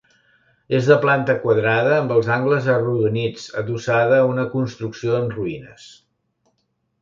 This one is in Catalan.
És de planta quadrada amb els angles arrodonits, adossada a una construcció en ruïnes.